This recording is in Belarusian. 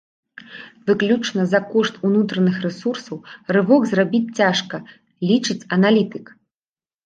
Выключна за кошт унутраных рэсурсаў рывок зрабіць цяжка, лічыць аналітык.